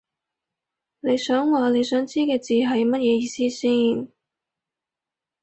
你想話你想知嘅字係乜嘢意思先